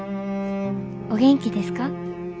お元気ですか。